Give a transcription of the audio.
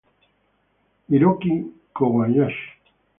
Hiroki Kobayashi